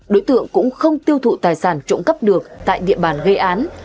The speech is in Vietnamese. đối tượng cũng không tiêu thụ tài sản trộm cắp được tại địa bàn gây án